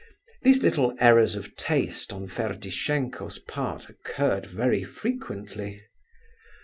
These little errors of taste on Ferdishenko's part occurred very frequently.